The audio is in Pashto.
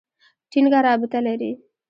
ټینګه رابطه لري.